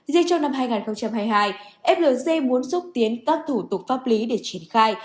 riêng trong năm hai nghìn hai mươi hai flc muốn xúc tiến các thủ tục pháp lý để triển khai